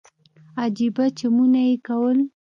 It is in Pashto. عجيبه چمونه يې کول.